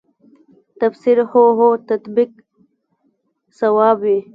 تفسیر هو هو تطبیق صواب وي.